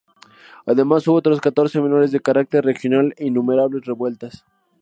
Además hubo otras catorce menores de carácter regional e innumerables revueltas.